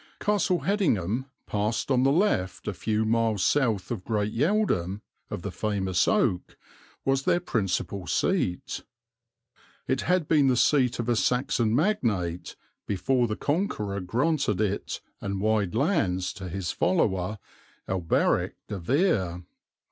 Castle Hedingham, passed on the left a few miles south of Great Yeldham of the famous oak, was their principal seat. It had been the seat of a Saxon magnate before the Conqueror granted it and wide lands to his follower, Alberic De Vere.